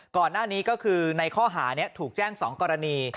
ก่อนหน้านี้ก็คือในข้อหานี้ถูกแจ้ง๒กรณี